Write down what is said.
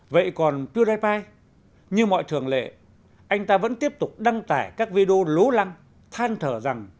vậy còn tu rai như mọi thường lệ anh ta vẫn tiếp tục đăng tải các video lố lăng than thở rằng